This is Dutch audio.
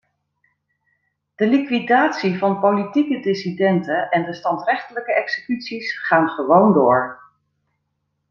De liquidatie van politieke dissidenten en de standrechtelijke executies gaan gewoon door.